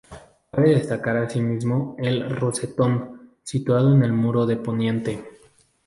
Cabe destacar asimismo el rosetón, situado en el muro de poniente.